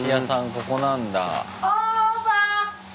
ここなんだ。